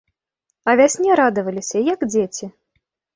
А вясне радаваліся, як дзеці.